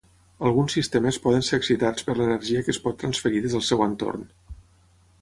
Alguns sistemes poden ser excitats per l'energia que es pot transferir des del seu entorn.